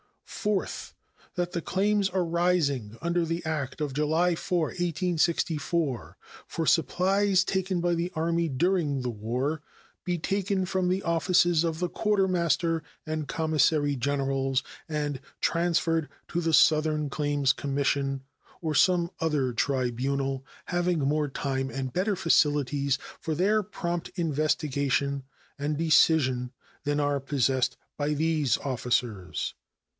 Fourth. That the claims arising under the act of July 4, 1864, for supplies taken by the Army during the war, be taken from the offices of the Quartermaster and Commissary Generals and transferred to the Southern Claims Commission, or some other tribunal having more time and better facilities for their prompt investigation and decision than are possessed by these officers.